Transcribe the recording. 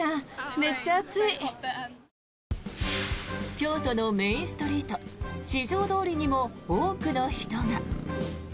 京都のメインストリート四条通にも多くの人が。